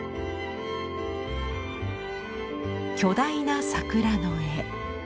巨大な桜の絵。